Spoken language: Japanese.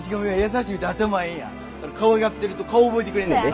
かわいがってると顔覚えてくれんねんで。